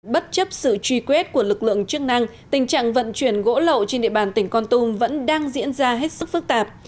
bất chấp sự truy quét của lực lượng chức năng tình trạng vận chuyển gỗ lậu trên địa bàn tỉnh con tum vẫn đang diễn ra hết sức phức tạp